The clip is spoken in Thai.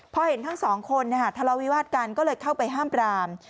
พอเห็นทั้งสองคนทะเลาวิวาสกันก็เลยเข้าไปห้ามปราม